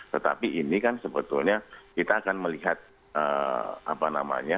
tetapi ini kan sebetulnya kita akan melihat apa namanya